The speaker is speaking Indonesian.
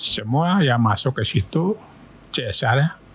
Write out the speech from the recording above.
semua yang masuk ke situ csr